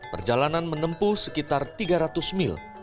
perjalanan menempuh sekitar tiga ratus mil